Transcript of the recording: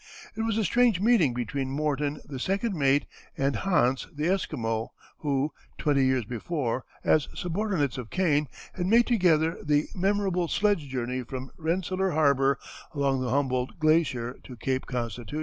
It was a strange meeting between Morton, the second mate, and Hans, the Esquimau, who, twenty years before, as subordinates of Kane, had made together the memorable sledge journey from Rensselaer Harbor, along the Humboldt Glacier, to Cape Constitution.